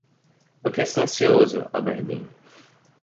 O que é silencioso, Albardine.